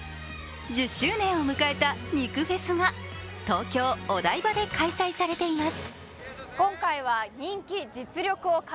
１０周年を迎えた肉フェスが東京・お台場で開催されています。